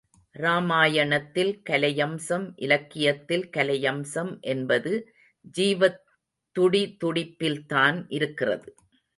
ராமாயணத்தில் கலையம்சம் இலக்கியத்தில் கலையம்சம் என்பது ஜீவத் துடிதுடிப்பில்தான் இருக்கிறது.